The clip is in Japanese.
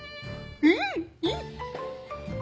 うんいい！